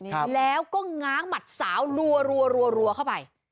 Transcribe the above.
นี่แล้วก็ง้างหมัดสาวรัวเข้าไป